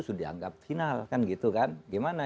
sudah dianggap final kan gitu kan gimana